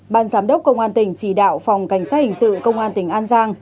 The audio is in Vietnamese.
ban giám đốc công an tỉnh chỉ đạo phòng cảnh sát hình sự công an tỉnh an giang